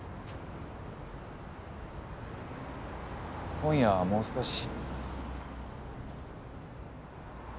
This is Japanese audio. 今夜もう少し。